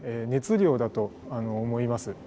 熱量だと思います。